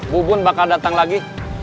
bubun bakal datang lagi